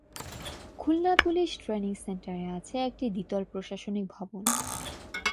Khulna police training সেন্টারে আছে একটি দ্বিতল প্রশাসনিক ভবন।